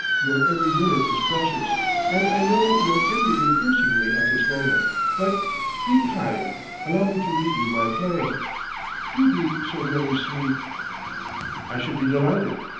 Your every minute is precious, and I know you're inwardly cursing me at this moment, but ... Be kind, allow me to read you my play .... Do be so very sweet!" "I should be delighted